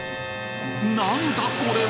何だこれは！？